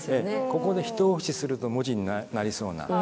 ここでひと押しすると文字になりそうな。